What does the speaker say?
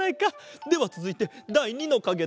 ではつづいてだい２のかげだ。